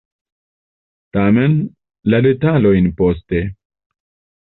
Tamen, la detalojn poste.